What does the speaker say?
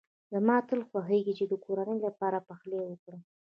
زما تل خوښېږی چي د کورنۍ لپاره پخلی وکړم.